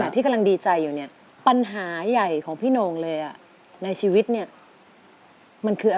อะไรอย่างนี้มัยคะ